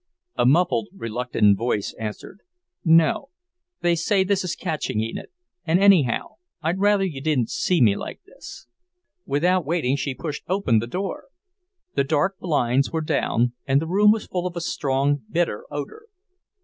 A muffled, reluctant voice answered. "No. They say this is catching, Enid. And anyhow, I'd rather you didn't see me like this." Without waiting she pushed open the door. The dark blinds were down, and the room was full of a strong, bitter odor.